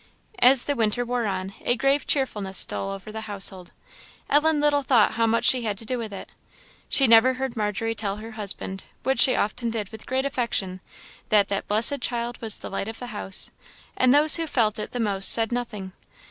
As the winter wore one, a grave cheerfulness stole over the household. Ellen little thought how much she had to do with it. She never heard Margery tell her husband, which she often did with great affection, that "that blessed child was the light of the house." And those who felt it the most said nothing.